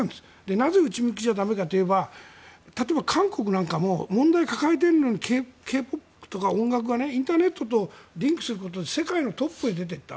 なぜ内向きじゃダメかといえば例えば、韓国なんかも問題を抱えているのにＫ−ＰＯＰとか音楽がインターネットとリンクすることで世界のトップに出ていった。